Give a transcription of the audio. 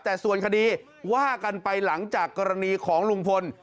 แต่ส่วนคดีว่ากันไปหลังจากกรณีของลุงพล